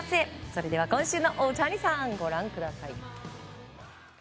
それでは今週の大谷さんご覧ください。